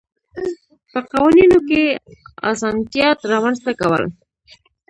په قوانینو کې اسانتیات رامنځته کول.